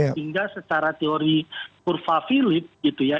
sehingga secara teori kurva philip gitu ya